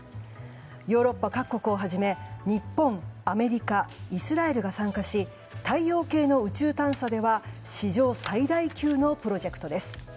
ヨーロッパ各国をはじめ日本、アメリカイスラエルが参加し太陽系の宇宙探査では史上最大級のプロジェクトです。